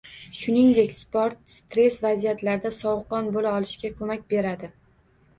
Shuningdek sport stress vaziyatlarida sovuqqon bo‘la olishga ko‘mak beradi.